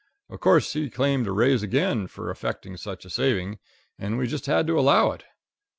Of course he claimed a raise again for effecting such a saving, and we just had to allow it.